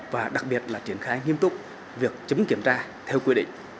và đặc biệt là triển khai nghiêm túc việc chấm kiểm tra theo quy định